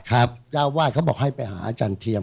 เจ้าวาดเขาบอกให้ไปหาอาจารย์เทียม